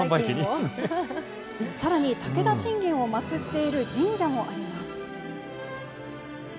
さらに武田信玄を祭っている神社もあります。